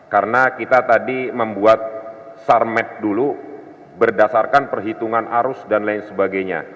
karena kita tadi membuat sarmet dulu berdasarkan perhitungan arus dan lain sebagainya